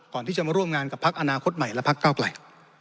ก่อนที่จะมาร่วมงานกับพักอนาคตใหม่และพักเก้าไกล